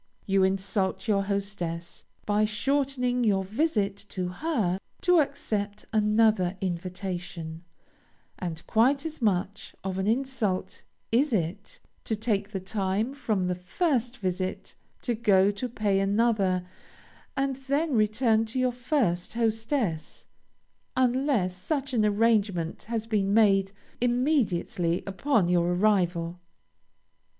You insult your hostess by shortening your visit to her to accept another invitation, and quite as much of an insult is it, to take the time from the first visit to go to pay another, and then return to your first hostess, unless such an arrangement has been made immediately upon your arrival.